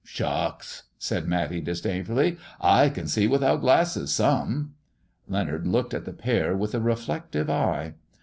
Schucks !" said Matty, disdainfully. " I can see without glasses, some.'' Leonard looked at the pair with a reflective eye.